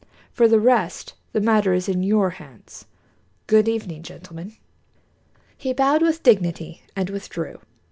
For the rest, the matter is in your hands. Good evening, gentlemen." He bowed with dignity and withdrew.